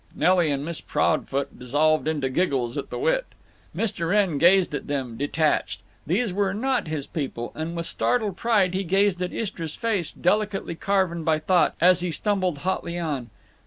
Nelly and Miss Proudfoot dissolved in giggles at the wit. Mr. Wrenn gazed at them, detached; these were not his people, and with startled pride he glanced at Istra's face, delicately carven by thought, as he stumbled hotly on.